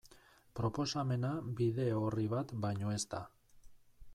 Proposamena bide orri bat baino ez da.